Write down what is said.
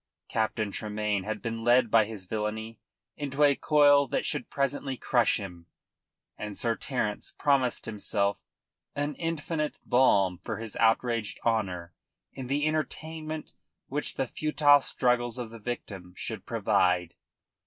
Captain Tremayne had been led by his villainy into a coil that should presently crush him, and Sir Terence promised himself an infinite balm for his outraged honour in the entertainment which the futile struggles of the victim should provide.